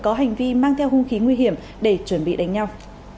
có hành vi mang theo hung khí nguy hiểm để chuẩn bị đánh nhau